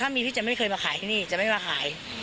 มีพี่จะไม่เคยมาขายที่นี่จะไม่มาขาย